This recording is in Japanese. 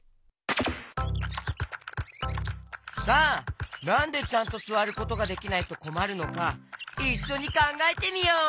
さあなんでちゃんとすわることができないとこまるのかいっしょにかんがえてみよう！